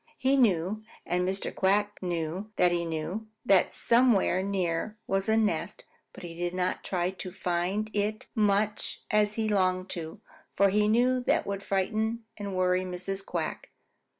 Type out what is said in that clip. He knew, and Mr. Quack knew that he knew, that somewhere near was a nest, but he did not try to find it much as he longed to, for he knew that would frighten and worry Mrs. Quack.